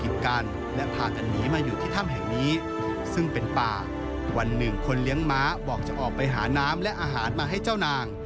วันหนึ่งคนเลี้ยงม้าบอกจะออกไปหาน้ำและอาหารมาให้เจ้านาง